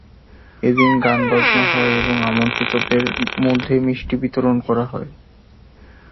এদিন গান-বাজনা হয় এবং আমন্ত্রিতদের মধ্যে মিষ্টি বিতরণ করা হয়।